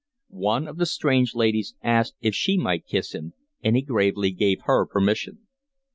One of the strange ladies asked if she might kiss him, and he gravely gave her permission.